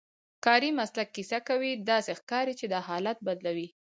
کاري مسلک کیسه کوي، داسې ښکاري چې دا حالت بدلوي.